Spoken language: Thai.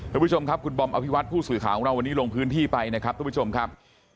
ทุกผู้ชมครับคุณบอมอภิวัตผู้สื่อข่าวของเราวันนี้ลงพื้นที่ไปนะครับทุกผู้ชมครับ